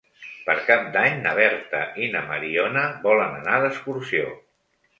Per Cap d'Any na Berta i na Mariona volen anar d'excursió.